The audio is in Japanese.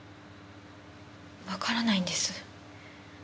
わからないんです。